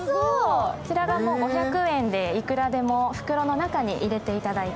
５００円でいくらでも袋の中に入れていただいて。